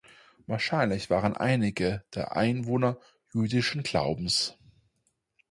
Wahrscheinlich waren einige der Einwohner jüdischen Glaubens.